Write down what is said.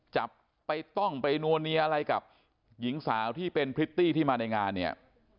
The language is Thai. จับไปต้องไปนัวเนียอะไรกับหญิงสาวที่เป็นพริตตี้ที่มาในงานเนี่ย